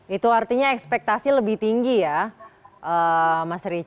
itu artinya ekspektasi lebih tinggi ya mas richard